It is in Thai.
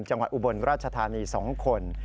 จังหวัดอุบลราชธานี๒คน